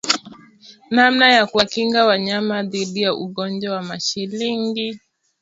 Namna ya kuwakinga wanyama dhidi ya ugonjwa wa mashilingi